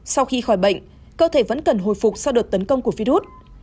sau khi khỏi bệnh cơ thể vẫn cần hồi phục sau đợt tấn công của virus